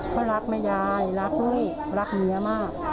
เขารักว่ายายรักลูกรักเมียมาก